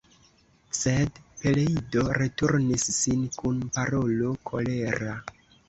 Sed Peleido returnis sin kun parolo kolera.